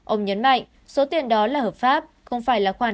ông nhấn mạnh số tiền đó là hợp pháp không phải là khoản